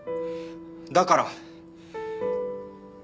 だから。